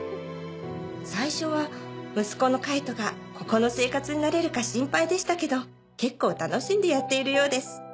最初は息子の海人がここの生活に慣れるか心配でしたけど結構楽しんでやっているようです。